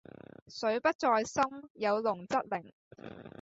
水不在深，有龍則靈